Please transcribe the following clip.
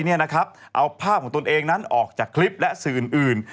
เอาภาพของตนเองนั้นออกจากคลิปและสื่ออื่น